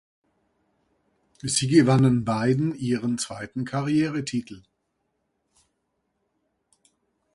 Sie gewannen beiden ihren zweiten Karrieretitel.